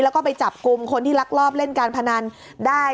แล้วก็ไปจับกลุ่มคนที่ลักลอบเล่นการพนันได้